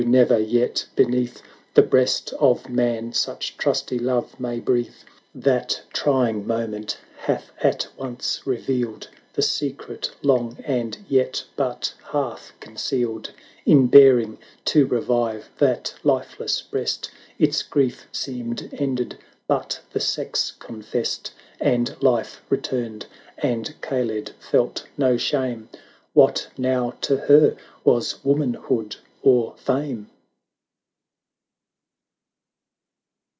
never yet beneath The breast of man such trusty love may breathe ! That trying moment hath at once re vealed The secret long and yet but half con cealed; 1 1 60 In baring to revive that lifeless breast, Its grief seemed ended, but the sex con fessed ; And life returned, — and Kaled felt no shame — What now to her was Womanhood or Fame?